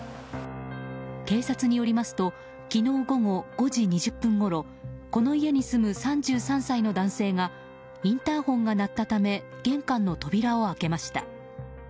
警察によりますと昨日午後５時２０分ごろこの家に住む３３歳の男性がインターホンが鳴ったため玄関の扉を開けました。